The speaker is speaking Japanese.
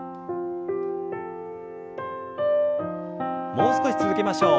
もう少し続けましょう。